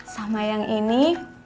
sama yang ini